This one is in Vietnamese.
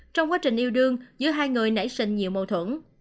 trong quá trình yêu đương giữa hai người nảy sinh nhiều mâu thuẫn